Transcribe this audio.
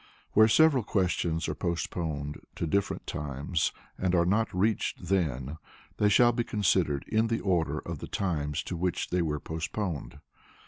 Where several questions are postponed to different times and are not reached then, they shall be considered in the order of the times to which they were postponed.